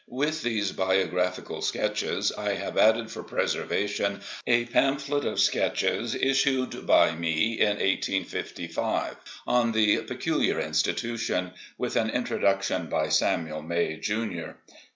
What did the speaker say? With these biographical sketches, I have added for preservation, a pamphlet of sketches issued by me in 1855, on the "Peculiar Institution", with an introduction by Samuel May, Jr.